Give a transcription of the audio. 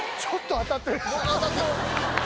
当たってる。